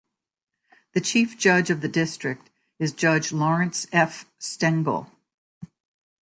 The Chief Judge of the District is Judge Lawrence F. Stengel.